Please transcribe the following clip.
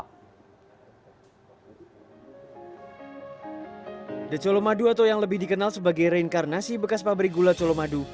the colomadu atau yang lebih dikenal sebagai reinkarnasi bekas pabrik gula colomadu